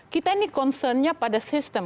kita ini concernnya pada sistem